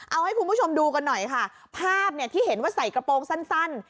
เอาให้คุณผู้ชมดูกันหน่อยค่ะภาพเนี่ยที่เห็นว่าใส่กระโปรงสั้น